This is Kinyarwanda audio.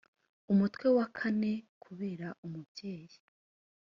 umutwe wa kane kubera umubyeyi